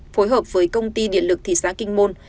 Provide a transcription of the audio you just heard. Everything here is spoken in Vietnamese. phối hợp với công ty điện lực thị xã kinh môn